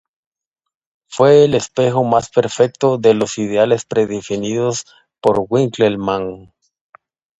Fue el espejo más perfecto de los ideales defendidos por Winckelmann.